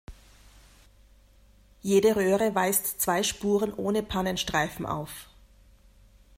Jede Röhre weist zwei Spuren ohne Pannenstreifen auf.